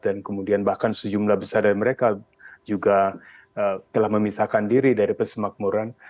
dan kemudian bahkan sejumlah besar dari mereka juga telah memisahkan diri dari persemakmuran